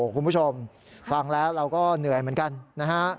คุณผู้ชมฟังแล้วเราก็เหนื่อยเหมือนกันนะฮะ